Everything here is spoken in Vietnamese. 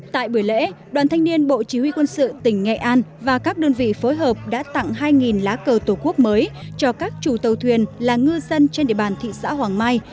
tại buổi lễ đoàn thanh niên bộ chỉ huy quân sự tỉnh nghệ an và các đơn vị phối hợp đã tặng hai lá cờ tổ quốc mới cho các chủ tàu thuyền là ngư dân trên địa bàn thị xã hoàng mai